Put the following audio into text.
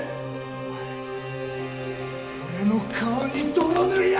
お前俺の顔に泥塗りやがって！